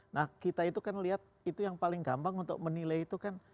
nah kita itu kan lihat itu yang paling gampang untuk menilai itu kan